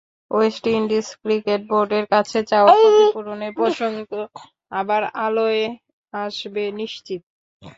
West Indies cricket বোর্ডের কাছে চাওয়া ক্ষতিপূরণের প্রসঙ্গ আবার আলোয় আসবে নিশ্চিত।